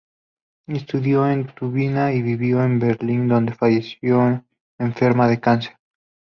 Estudió en Tubinga y vivió en Berlín, donde falleció enferma de cáncer.